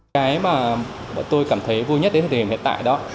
cái mà tôi cảm thấy vui nhất đến thời điểm hiện tại đó